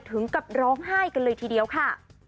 ถึงกับร้องไห้กันเลยทีเดียวค่ะ